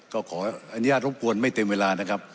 ก็ขอออนุญาตรบกวนไม่เต็มเวลา